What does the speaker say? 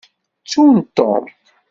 Ttun Tom.